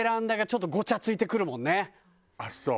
ああそう！